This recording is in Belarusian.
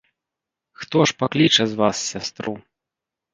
Хто ж пакліча з вас сястру?